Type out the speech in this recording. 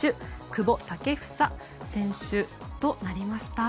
久保建英選手となりました。